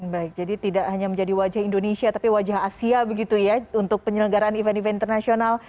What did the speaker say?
baik jadi tidak hanya menjadi wajah indonesia tapi wajah asia begitu ya untuk penyelenggaraan event event internasional